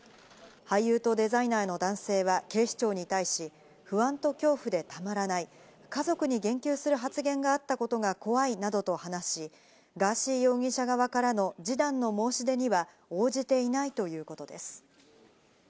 俳優とデザイナーの男性は、警視庁に対し、不安と恐怖でたまらない、家族に言及する発言があったことが怖いなどと話し、ガーシー容疑者側からの示談の申し出には応じていないということです。